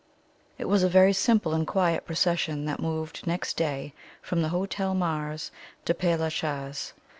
It was a very simple and quiet procession that moved next day from the Hotel Mars to Pere la Chaise.